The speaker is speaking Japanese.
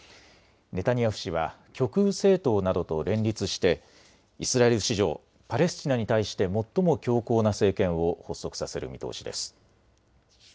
ネタニヤフ氏は極右政党などと連立してイスラエル史上パレスチナに対して最も強硬な政権を発足させる見通しです。